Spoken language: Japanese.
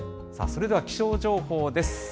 さあそれでは気象情報です。